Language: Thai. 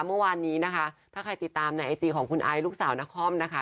เมื่อวานนี้นะคะถ้าใครติดตามในไอจีของคุณไอซ์ลูกสาวนครนะคะ